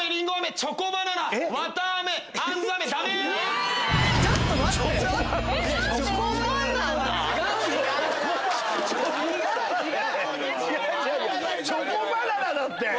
チョコバナナだよね？